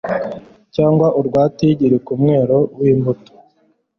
cyangwa urwa tigiri ku mwero w'imbuto